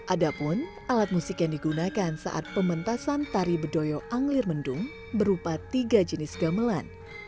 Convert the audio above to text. ada pun alat musik yang digunakan saat pementasan tari bedoyo anglir mendung berupa tiga jenis gamelan